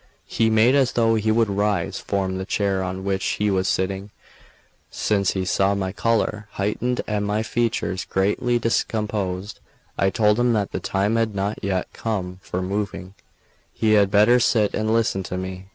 He made as though he would rise form the chair on which he was sitting, since he saw my colour heightened and my features greatly discomposed. I told him that the time had not yet come for moving; he had better sit and listen to me.